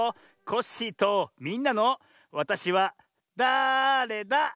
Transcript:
コッシーとみんなの「わたしはだれだ？」。